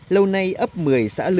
lâu nay ấp một mươi xã lưu